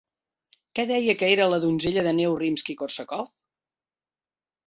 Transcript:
Què deia que era La donzella de neu Rimski-Kórsakov?